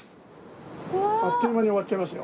あっという間に終わっちゃいますよ。